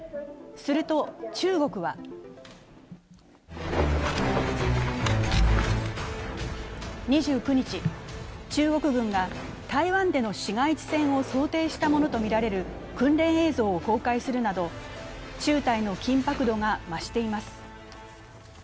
すると、中国は２９日、中国軍が台湾での市街地戦を想定したものとみられる訓練映像を公開するなど中台の緊迫度が増しています。